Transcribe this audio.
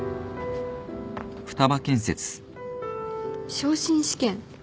昇進試験？